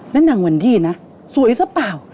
นั่นหนังวันดี้นะสวยสะเปร่า